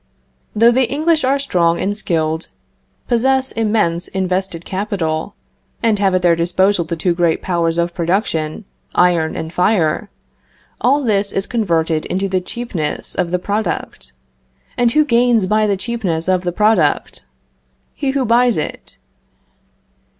Though the English are strong and skilled; possess immense invested capital, and have at their disposal the two great powers of production, iron and fire, all this is converted into the cheapness of the product; and who gains by the cheapness of the product? he who buys it.